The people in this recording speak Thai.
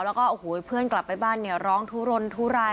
แล้วก็โอ้โหเพื่อนกลับไปบ้านเนี่ยร้องทุรนทุราย